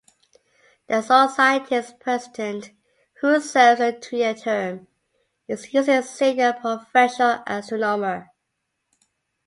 The society's president, who serves a two-year term, is usually a senior professional astronomer.